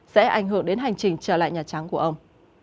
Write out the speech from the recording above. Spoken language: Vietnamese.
sẽ ảnh hưởng đến hành trình trở lại nhà trắng của ông